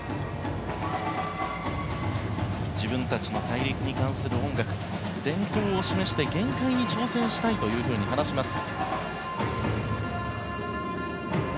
自分たちの大陸に関する音楽伝統を示して限界に挑戦したいと話します。